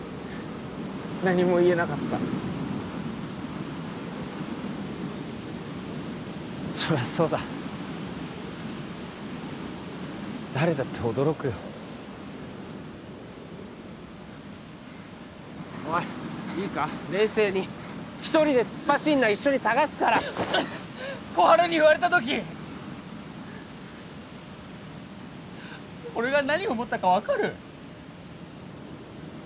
何も言えなかったそりゃそうだ誰だって驚くよおいいいか冷静にひとりで突っ走んな一緒に捜すから小春に言われた時俺が何を思ったか分かる？